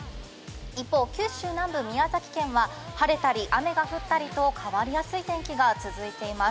一方、九州南部、宮崎県は晴れたり、雨が降ったりと変わりやすい天気が続いています。